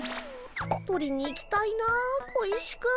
取りに行きたいな小石くん。